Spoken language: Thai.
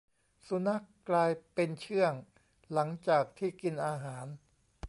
สุนัขกลายเป็นเชื่องหลังจากที่กินอาหาร